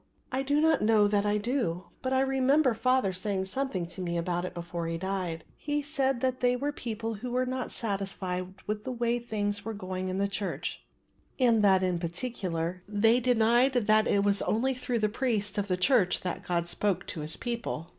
"I do not know that I do, but I remember father saying something to me about it before he died. He said that they were people who were not satisfied with the way that things were going in the church and that in particular they denied that it was only through the priests of the church that God spoke to his people.